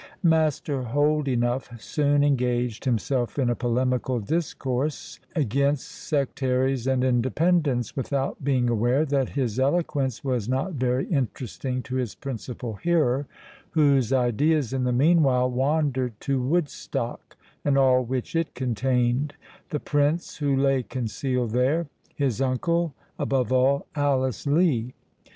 Master Holdenough soon engaged himself in a polemical discourse against Sectaries and Independents, without being aware that his eloquence was not very interesting to his principal hearer, whose ideas in the meanwhile wandered to Woodstock and all which it contained—the Prince, who lay concealed there—his uncle—above all, Alice Lee.